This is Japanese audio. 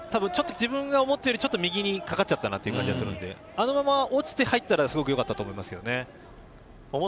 自分が思ったより、ちょっと右にかかっちゃったなという感じがするので、あのまま落ちて入ったらすごくよかったと思いますけどね。